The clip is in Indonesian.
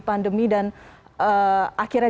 pandemi dan akhirnya